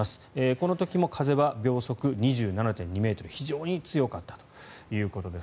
この時も風は秒速２７．２ｍ非常に強かったということです。